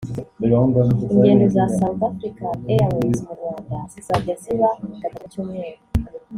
Ingendo za South African Airways mu Rwanda zizajya ziba gatatu mu cyumweru